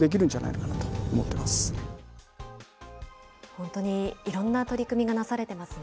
本当にいろんな取り組みがなされてますね。